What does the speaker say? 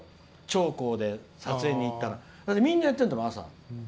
長江で撮影に行ったらみんなやってたんだもん。